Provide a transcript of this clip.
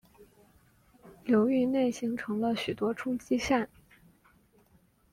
流域内形成了许多冲积扇。